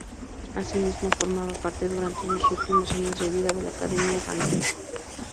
Asimismo, formaba parte durante sus últimos años de vida de la Academia Errante.